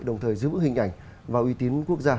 đồng thời giữ hình ảnh và uy tín quốc gia